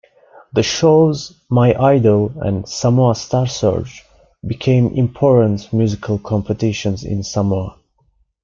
The shows "My Idol" and "Samoa Star Search" became important musical competitions in Samoa.